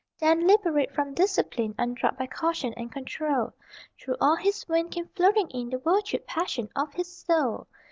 Then, liberate from discipline, Undrugged by caution and control, Through all his veins came flooding in The virtued passion of his soul!